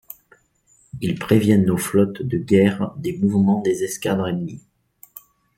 Ils préviennent nos flottes de guerre des mouvements des escadres ennemies.